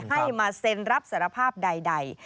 ให้มาเซ็นรับสารภาพใด